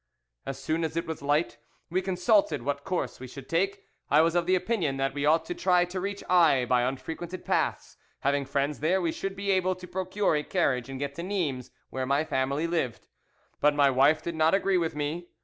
"As soon as it was light we consulted what course we should take: I was of the opinion that we ought to try to reach Aix by unfrequented paths; having friends there, we should be able to procure a carriage and get to Nimes, where my family lived. But my wife did not agree with me.